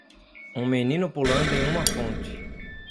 Um menino pulando em uma fonte.